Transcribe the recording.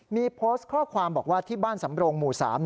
มีโพสต์ข้อความบอกว่าที่บ้านสำรงหมู่๓